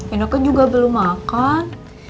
inoko juga belum makan